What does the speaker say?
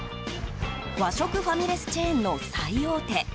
和食ファミレスチェーンの最大手。